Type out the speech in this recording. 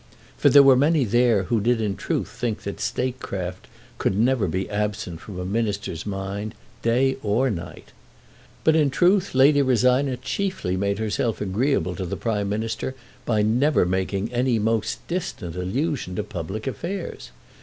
For there were many there who did in truth think that statecraft could never be absent from a minister's mind, day or night. But in truth Lady Rosina chiefly made herself agreeable to the Prime Minister by never making any most distant allusion to public affairs.